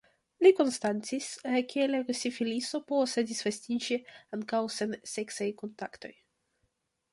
Li konstatis, ke la sifiliso povas disvastiĝi ankaŭ sen seksaj kontaktoj.